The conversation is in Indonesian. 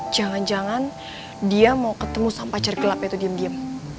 jangan jangan dia mau ketemu sama pacar gelap itu diem diem